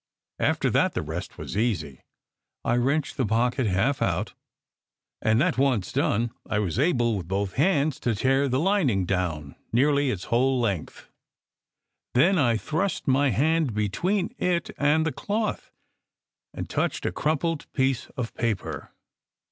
After that the rest was easy. I wrenched the pocket half out, and that once done I was able with both hands to tear the lin ing down nearly its whole length. Then I thrust my hand between it and the cloth, and touched a crumpled piece of paper.